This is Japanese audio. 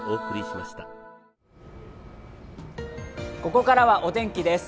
ここからはお天気です。